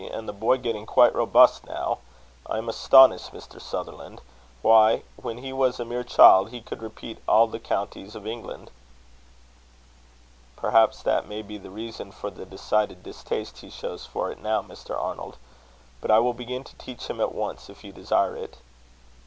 And the boy getting quite robust now! I am astonished, Mr. Sutherland. Why, when he was a mere child, he could repeat all the counties of England." "Perhaps that may be the reason for the decided distaste he shows for it now, Mr. Arnold. But I will begin to teach him at once, if you desire it."